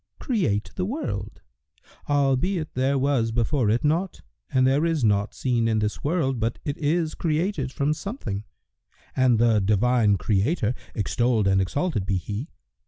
create the world, albeit there was before it naught and there is naught seen in this world but it is created from something; and the Divine Creator (extolled and exalted be He!)